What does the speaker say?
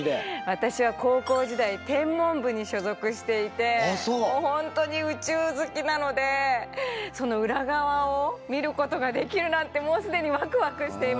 私は高校時代天文部に所属していて本当に宇宙好きなのでその裏側を見ることができるなんてもう既にワクワクしています。